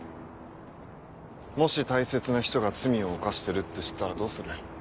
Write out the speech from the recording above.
もし大切な人が罪を犯してるって知ったらどうする？